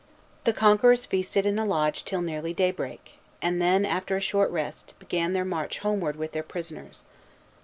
The conquerors feasted in the lodge till nearly daybreak, and then, after a short rest, began their march homeward with their prisoners.